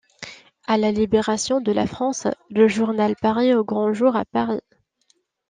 À la libération de la France, le journal paraît au grand jour à Paris.